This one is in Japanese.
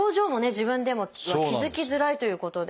自分では気付きづらいということで。